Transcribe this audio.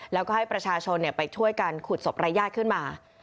แล้วก็ให้ประชาชนไปช่วยกันขุดศพรายญาติขึ้นมา